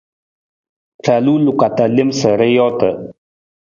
Ra luu loko ta lem sa ra joota.